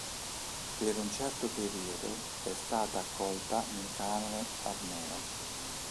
Per un certo periodo è stata accolta nel canone armeno.